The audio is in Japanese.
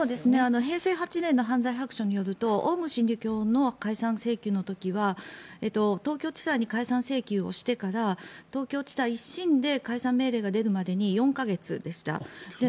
平成８年の犯罪白書によるとオウム真理教の解散請求の時は東京地裁に解散請求をしてから東京地裁は１審で解散命令が出るまでに４か月でした。